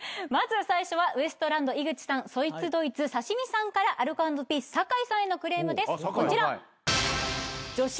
まず最初はウエストランド井口さんそいつどいつ刺身さんからアルコ＆ピース酒井さんへのクレームですこちら。